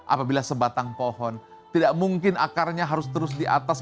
apabila sebatang pohon tidak mungkin akarnya harus terus di atas